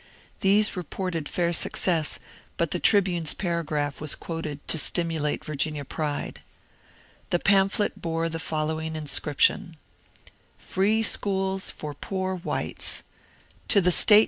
These reported fair success, but the *' Tribune's" paragraph was quoted to stimulate Virginia pride. The pamphlet bore the following inscription :— FREE SCHOOLS FOE POOR WHITES 86 To THE State C!